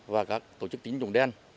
và các tổ chức tín dụng đen